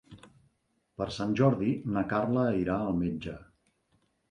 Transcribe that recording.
Per Sant Jordi na Carla irà al metge.